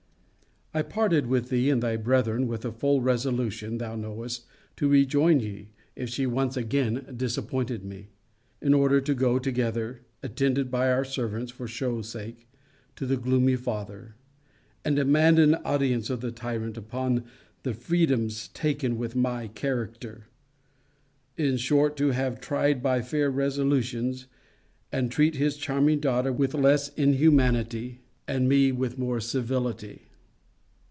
I parted with thee and thy brethren, with a full resolution, thou knowest, to rejoin ye, if she once again disappointed me, in order to go together (attended by our servants, for shew sake) to the gloomy father; and demand audience of the tyrant upon the freedoms taken with my character. In short, to have tried by fair resolutions, and treat his charming daughter with less inhumanity, and me with more civility.